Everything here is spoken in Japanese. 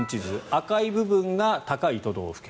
赤い部分が高い都道府県。